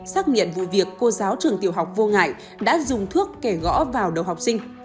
xác nhận vụ việc cô giáo trường tiểu học vô ngại đã dùng thuốc kể gõ vào đầu học sinh